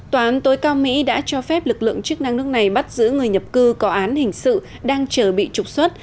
tòa án tối cao mỹ đã cho phép lực lượng chức năng nước này bắt giữ người nhập cư có án hình sự đang chờ bị trục xuất